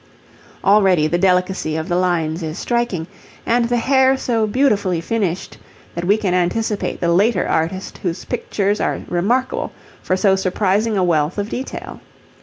Already the delicacy of the lines is striking, and the hair so beautifully finished that we can anticipate the later artist whose pictures are remarkable for so surprising a wealth of detail.